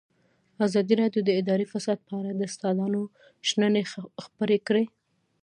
ازادي راډیو د اداري فساد په اړه د استادانو شننې خپرې کړي.